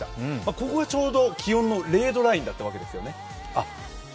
ここがちょうど気温の０度ラインだったわけですよね。